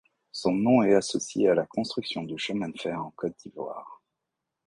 Son nom est associé à la construction du chemin de fer en Côte d'Ivoire.